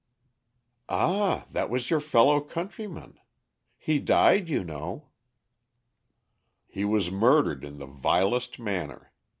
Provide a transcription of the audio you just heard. Page 43.] "Ah, that was your fellow countryman. He died, you know!" "He was murdered in the vilest manner.